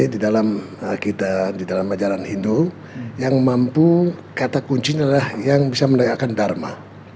di dalam kita di dalam ajaran hindu yang mampu kata kuncinya adalah yang bisa menegakkan dharma